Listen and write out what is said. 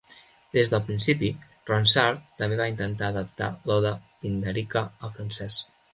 Des del principi, Ronsard també va intentar adaptar l'oda pindàrica al francès.